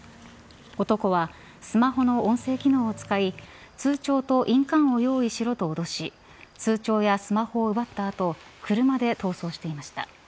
男はスマホの音声機能を使い通帳と印鑑を用意しろと脅し通帳やスマホを奪った後車で逃走していました。